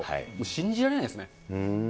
信じられないですね。